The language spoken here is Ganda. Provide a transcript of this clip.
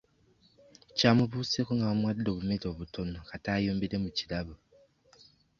Kyamubuseeko nga bamuwadde obumere obutono kata ayombere mu kirabo.